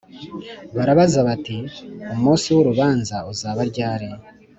barabaza bati ‘umunsi w’urubanza uzaba ryari?